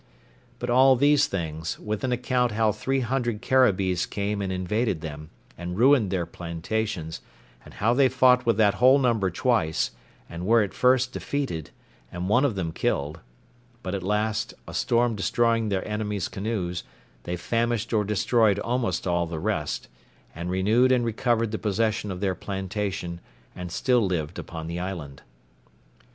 But all these things, with an account how three hundred Caribbees came and invaded them, and ruined their plantations, and how they fought with that whole number twice, and were at first defeated, and one of them killed; but at last, a storm destroying their enemies' canoes, they famished or destroyed almost all the rest, and renewed and recovered the possession of their plantation, and still lived upon the island.